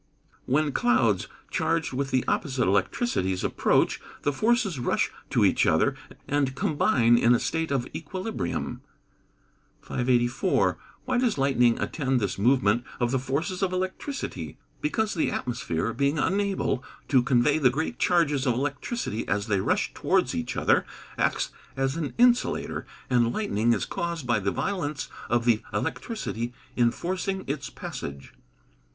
_ When clouds, charged with the opposite electricities approach, the forces rush to each other, and combine in a state of equilibrium. 584. Why does lightning attend this movement of the forces of electricity? Because the atmosphere, being unable to convey the great charges of electricity as they rush towards each other, acts as an insulator, and lightning is caused by the violence of the electricity in forcing its passage.